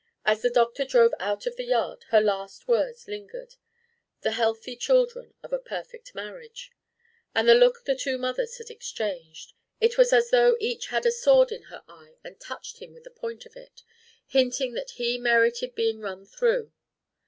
As the doctor drove out of the yard her last words lingered the healthy children of a perfect marriage. And the look the two mothers had exchanged! It was as though each had a sword in her eye and touched him with the point of it hinting that he merited being run through.